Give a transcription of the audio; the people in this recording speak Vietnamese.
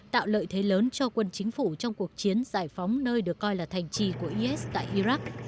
tạo lợi thế lớn cho quân chính phủ trong cuộc chiến giải phóng nơi được coi là thành trì của is tại iraq